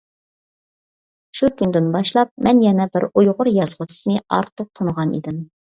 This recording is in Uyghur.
شۇ كۈندىن باشلاپ مەن يەنە بىر ئۇيغۇر يازغۇچىسىنى ئارتۇق تونۇغان ئىدىم.